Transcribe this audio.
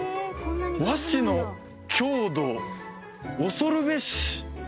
和紙の強度恐るべし！